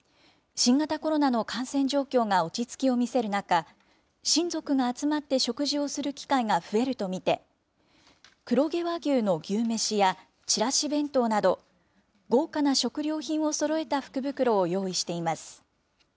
新型コロナの感染状況が落ち着きを見せる中、親族が集まって食事をする機会が増えると見て、黒毛和牛の牛めしやチラシ弁当など、豪華な食料品をそろえた福袋を用意しています。